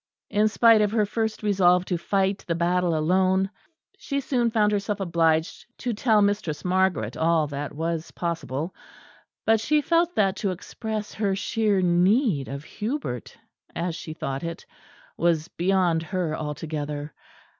In spite of her first resolve to fight the battle alone, she soon found herself obliged to tell Mistress Margaret all that was possible; but she felt that to express her sheer need of Hubert, as she thought it, was beyond her altogether.